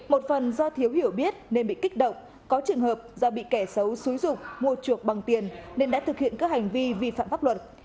một phần do thiếu hiểu biết nên bị kích động có trường hợp do bị kẻ xấu xúi rục mua chuộc bằng tiền nên đã thực hiện các hành vi vi phạm pháp luật